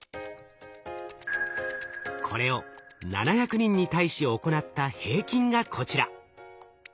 これを７００人に対し行った平均がこちら。